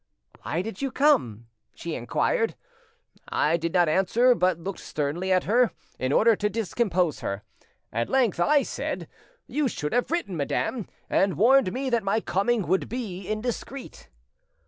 "'Why did you come?' she inquired. "I did not answer, but looked sternly at her, in order to discompose her. At length I said— "'You should have written, madame, and warned me that my coming would be indiscreet.